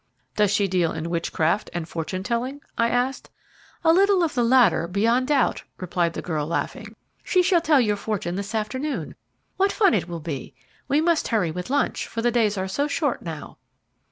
"Does she deal in witchcraft and fortune telling?" I asked. "A little of the latter, beyond doubt," replied the girl, laughing; "she shall tell your fortune this afternoon. What fun it will be! We must hurry with lunch, for the days are so short now."